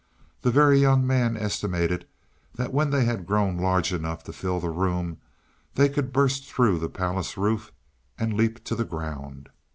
The Very Young Man estimated that when they had grown large enough to fill the room, they could burst through the palace roof and leap to the ground.